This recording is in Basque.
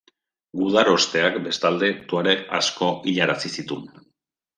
Gudarosteak, bestalde, tuareg asko hilarazi zituen.